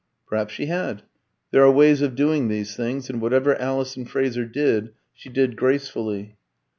Perhaps she had; there are ways of doing these things, and whatever Alison Fraser did she did gracefully.